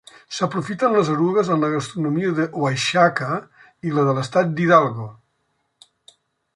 S'aprofiten les erugues en la gastronomia d'Oaxaca i la de l'estat d'Hidalgo.